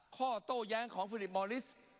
โต้แย้งของฟิลิปมอลิส